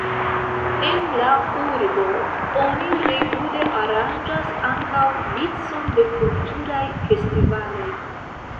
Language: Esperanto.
En la urbo oni regule aranĝas ankaŭ vicon de kulturaj festivaloj.